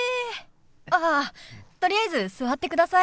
あっとりあえず座ってください。